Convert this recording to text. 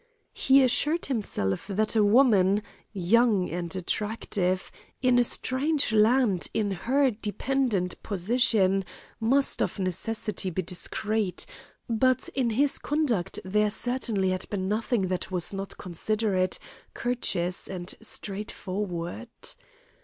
He assured himself that a woman, young and attractive, in a strange land in her dependent position must of necessity be discreet, but in his conduct there certainly had been nothing that was not considerate, courteous, and straightforward.